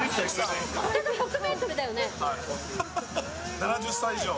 ７０歳以上。